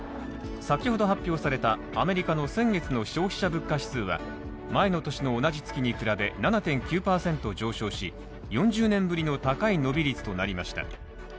先ほど発表されたアメリカの先月の消費者物価指数は前の年の同じ月に比べ、７．９％上昇し４０年ぶりの高い伸び率となりました。